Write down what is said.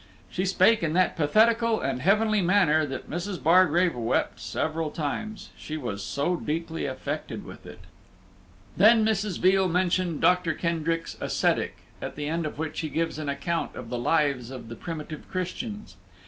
She spake in that pathetical and heavenly manner that Mrs. Bargrave wept several times, she was so deeply affected with it. Then Mrs. Veal mentioned Doctor Kendrick's Ascetic, at the end of which he gives an account of the lives of the primitive Christians.